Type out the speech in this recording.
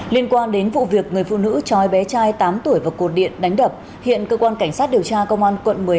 liên quan đến vụ việc người phụ nữ trói bé trai tám tuổi vào cột điện đánh đập hiện cơ quan cảnh sát điều tra công an quận một mươi hai